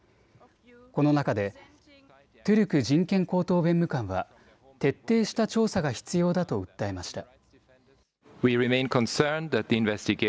この中でトゥルク人権高等弁務官は徹底した調査が必要だと訴えました。